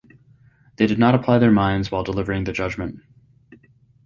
They did not apply their minds while delivering the judgement.